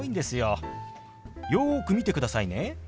よく見てくださいね。